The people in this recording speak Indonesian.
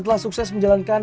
beda sama si david kan